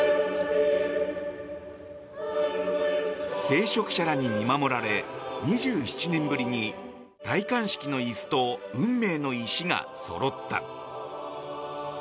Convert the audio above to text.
聖職者らに見守られ２７年ぶりに戴冠式の椅子と運命の石がそろった。